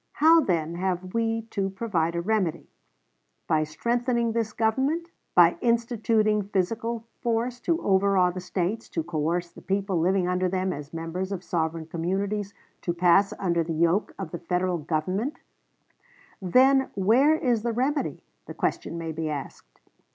How, then, have we to provide a remedy? By strengthening this Government? By instituting physical force to overawe the States, to coerce the people living under them as members of sovereign communities to pass under the yoke of the Federal Government?... "Globe," Dec. 10, 1860, p. 29. Then where is the remedy, the question may be asked.